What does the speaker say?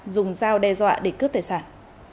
dùng dao đe dọa để cướp tài sản